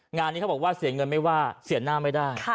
งานนี้เขาบอกว่าเสียเงินไม่ว่าเสียหน้าไม่ได้